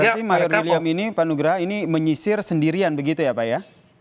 berarti mayor william ini pak nugra ini menyisir sendirian begitu ya pak ya